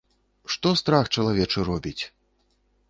Што страх чалавечы робіць!